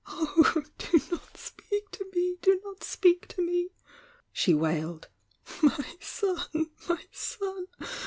"Oh, do not speal: to me, do not speak to me!" she wailed. "My son, my son!